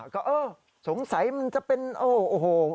ก็เออสงสัยมันจะเป็นโอ้โห